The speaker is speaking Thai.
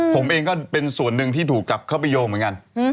ผมเองก็เป็นส่วนหนึ่งที่ถูกจับเข้าไปโยงเหมือนกัน